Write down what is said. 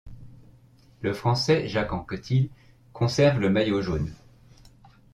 Le Français Jacques Anquetil conserve le maillot jaune.